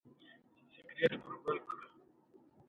یو سل او دیرشمه پوښتنه د ورکشاپ په اړه ده.